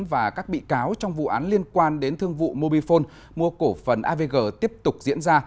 và các bị cáo trong vụ án liên quan đến thương vụ mobifone mua cổ phần avg tiếp tục diễn ra